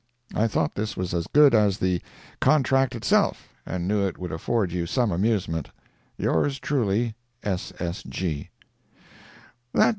I thought this was as good as the "Contract" itself, and knew it would afford you some amusement. Yours truly, S.S.G.